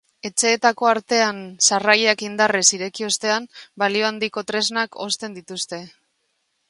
Etxeetako ateen sarrailak indarrez ireki ostean, balio handiko tresnak osten dituzte.